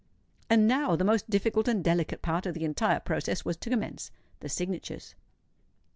And now the most difficult and delicate part of the entire process was to commence—the signatures.